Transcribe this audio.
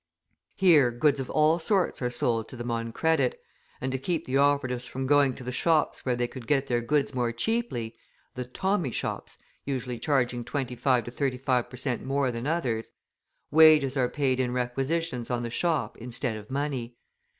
Here goods of all sorts are sold to them on credit; and to keep the operatives from going to the shops where they could get their goods more cheaply the "Tommy shops" usually charging twenty five to thirty per cent. more than others wages are paid in requisitions on the shop instead of money.